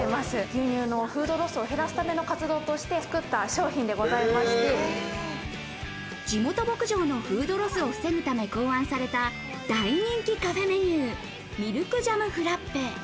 牛乳のフードロスを減らすための活動として作った商品でございまして、地元牧場のフードロスを防ぐため、考案された大人気カフェメニュー、ミルクジャムフラッペ。